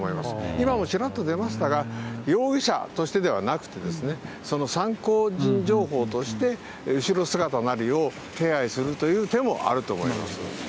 今もちらっと出ましたが、容疑者としてではなくてですね、参考人情報として、後ろ姿なりを手配するという手もあると思います。